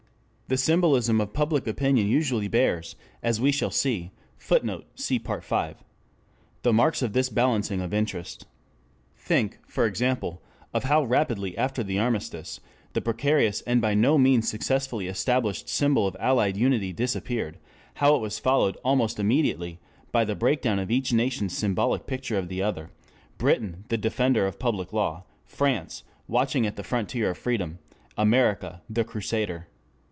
The symbolism of public opinion usually bears, as we shall see, [Footnote: Part V.] the marks of this balancing of interest. Think, for example, of how rapidly, after the armistice, the precarious and by no means successfully established symbol of Allied Unity disappeared, how it was followed almost immediately by the breakdown of each nation's symbolic picture of the other: Britain the Defender of Public Law, France watching at the Frontier of Freedom, America the Crusader.